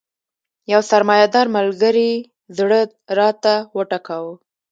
یو سرمایه دار ملګري زړه راته وټکاوه.